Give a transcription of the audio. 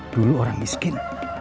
dulu orang miskin